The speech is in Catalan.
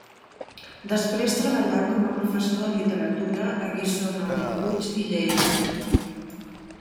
Després treballà com a professor de literatura a Guissona, Bellpuig i Lleida.